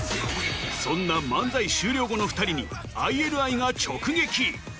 そんな漫才終了後の２人にＩＮＩが直撃